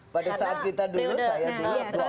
pada saat kita dulu saya dulu dua orang